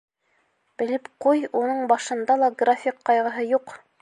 Белеп ҡуй уның башында ла график ҡайғыһы юҡ!